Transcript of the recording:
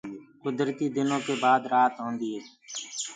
گُدرتي دنو ڪي بآد رآت هوجآندي هي۔